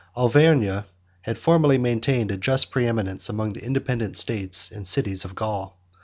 Auvergne had formerly maintained a just preeminence among the independent states and cities of Gaul.